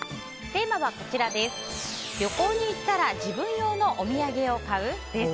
テーマは旅行に行ったら自分用のお土産を買う？です。